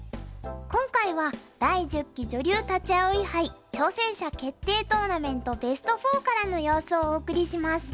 今回は第１０期女流立葵杯挑戦者決定トーナメントベスト４からの様子をお送りします。